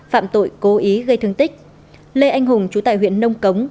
phạm tội cố ý gây thương tích lê anh hùng chú tại huyện nông cống